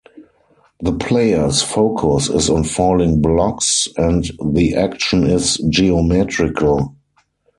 The player's focus is on falling blocks, and the action is geometrical.